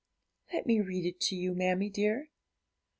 'Let me read it to you, mammie dear.'